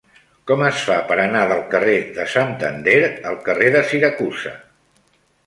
Com es fa per anar del carrer de Santander al carrer de Siracusa?